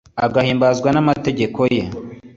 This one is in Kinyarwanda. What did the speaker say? agahimbazwa n'amategeko ye